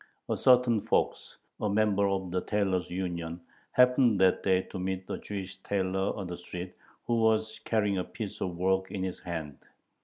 A certain Fox, a member of the tailors' union, happened that day to meet a Jewish tailor on the street who was carrying a piece of work in his hand.